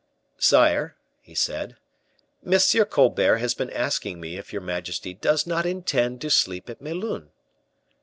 "Sire," he said, "M. Colbert has been asking me if your majesty does not intend to sleep at Melun."